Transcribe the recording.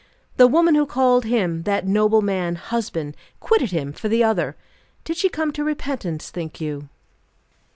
"The woman who called him, that noble man, husband, quitted him for the other! Did she come to repentance, think you?"